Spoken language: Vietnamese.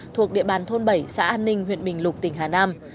thuộc địa bàn thôn bảy xã an ninh huyện bình lục tỉnh hà nam